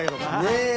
ねえ。